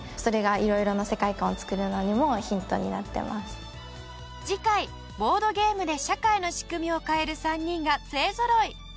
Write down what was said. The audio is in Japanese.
中野さんの次回ボードゲームで社会の仕組みを変える３人が勢ぞろい。